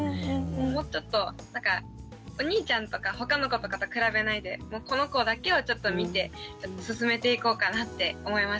もうちょっとなんかお兄ちゃんとか他の子とかと比べないでこの子だけをちょっと見て進めていこうかなって思いました。